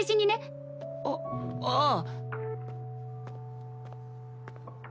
あああ。